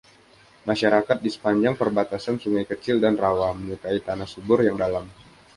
Masyarakat di sepanjang perbatasan sungai kecil dan rawa, menyukai tanah subur yang dalam.